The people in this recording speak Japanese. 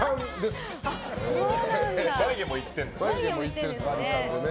眉毛もいってるんだ。